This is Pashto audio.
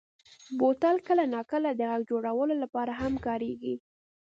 بوتل کله ناکله د غږ جوړولو لپاره هم کارېږي.